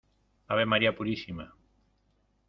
¡ ave María Purísima!